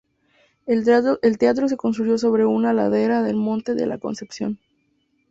El teatro se construyó sobre una ladera del monte de la Concepción.